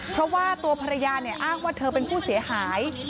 เพราะว่าตัวภรรยาเนี่ยอ้างว่าเธอเป็นผู้เสียหาย